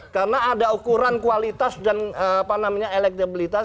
karena ada ukuran kualitas dan apa namanya elektabilitas